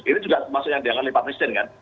ini juga maksudnya dengan pak presiden kan